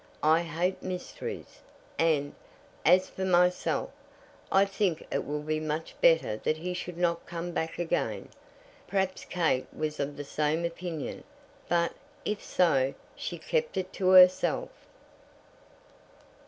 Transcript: I hate mysteries, and, as for myself, I think it will be much better that he should not come back again." Perhaps Kate was of the same opinion, but, if so, she kept it to herself.